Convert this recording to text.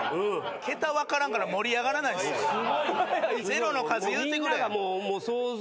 ゼロの数言うてくれ。